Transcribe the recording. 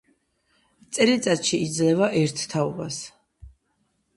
წელიწადში იძლევა ერთ თაობას.